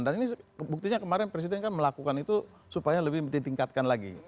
dan ini buktinya kemarin presiden kan melakukan itu supaya lebih ditingkatkan lagi